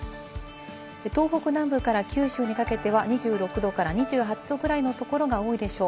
東北南部から九州にかけては２６度から２８度ぐらいのところが多いでしょう。